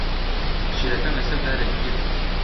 پشیلەکەم لەسەر دارێک گیر بوو.